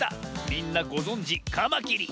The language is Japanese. みんなごぞんじカマキリ！